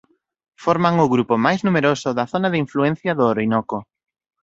Forman o grupo máis numeroso da zona de influencia do Orinoco.